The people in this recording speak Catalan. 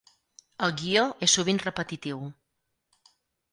El guió és sovint repetitiu.